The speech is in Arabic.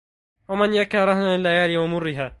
ومن يك رهنا لليالي ومرها